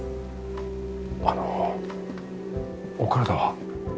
あのお体は？